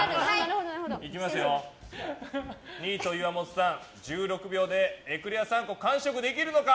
いきますよ、ニート岩本さん１６秒でエクレア３個完食できるのか。